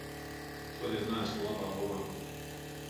Šodien neesmu labā omā.